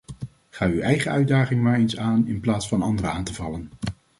Ga uw eigen uitdagingen maar eens aan in plaats van anderen aan te vallen!